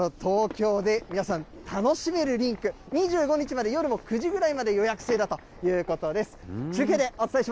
ということで、東京で皆さん、楽しめるリンク、２５日まで、夜の９時ぐらいまで予約制ということです。